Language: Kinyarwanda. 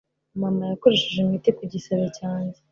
Mama yakoresheje imiti ku gisebe cyanjye